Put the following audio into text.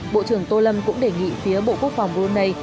bộ trưởng tô lâm cũng đề nghị phía bộ quốc phòng brunei